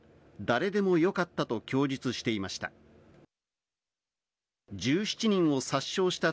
誰でもよかったと供述していました。